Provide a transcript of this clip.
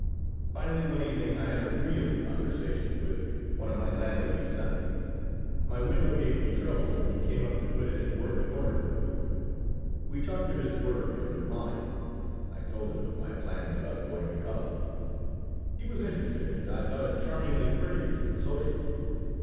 Finally, one evening I had a real conversation with one of my landlady's sons. My window gave me trouble and he came up to put it in working order for me. We talked of his work and of mine. I told him of my plans about going to college. He was interested and I thought him charmingly courteous and sociable.